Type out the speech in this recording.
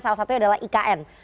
salah satunya adalah ikn